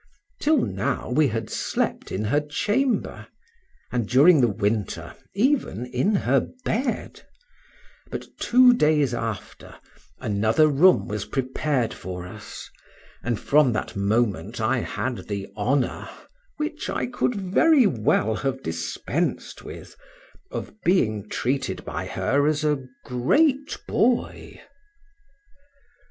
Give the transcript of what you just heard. Till now we had slept in her chamber, and during the winter, even in her bed; but two days after another room was prepared for us, and from that moment I had the honor (which I could very well have dispensed with) of being treated by her as a great boy.